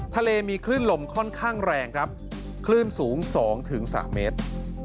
ทะเลมีคลื่นลมค่อนข้างแรงครับคลื่นสูง๒๓เมตร